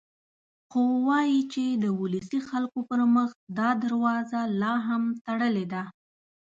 خو وايي چې د ولسي خلکو پر مخ دا دروازه لا هم تړلې ده.